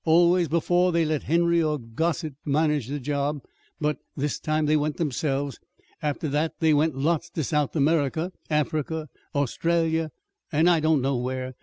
Always, before, they'd let Henry or Grosset manage the job; but this time they went themselves. After that they went lots to South America, Africa, Australia, and I don't know where.